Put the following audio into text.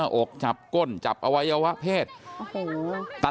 เดี๋ยวให้กลางกินขนม